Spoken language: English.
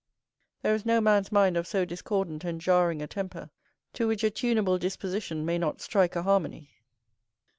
There is no man's mind of so discordant and jarring a temper, to which a tuneable disposition may not strike a harmony.